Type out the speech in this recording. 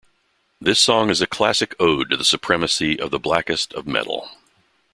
This song is a classic ode to the supremacy of the blackest of Metal.